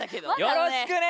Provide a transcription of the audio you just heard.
よろしくね！